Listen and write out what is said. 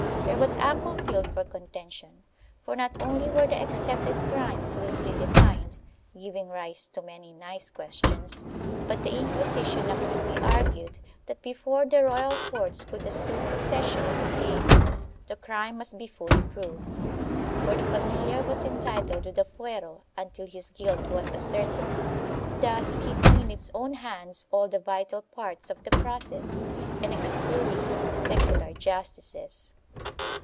There was ample field for contention, for not only were the excepted crimes loosely defined, giving rise to many nice questions, but the Inquisition acutely argued that before the royal courts could assume possession of a case the crime must be fully proved, for the familiar was entitled to the fuero until his guilt was ascertained, thus keeping in its own hands all the vital parts of the process and excluding the secular justices.